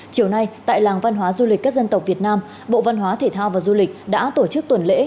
chiều nay tại làng văn hóa du lịch các dân tộc việt nam bộ văn hóa thể thao và du lịch đã tổ chức tuần lễ